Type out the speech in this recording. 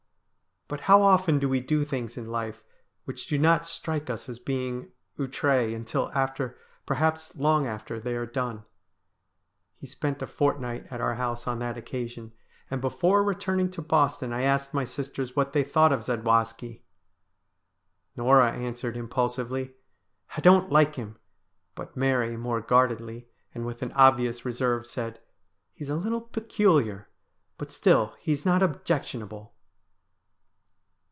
But how often do we do things in life which do not strike us as being outre until after — perhaps long after — they are done ? He spent a fortnight at our house on that occasion, and before returning to Boston I asked my sisters what they thought of Zadwaski. Norah answered im pulsively, ' I don't like him '; but Mary more guardedly, and with an obvious reserve, said, ' He's a little peculiar, but still he is not objectionable.'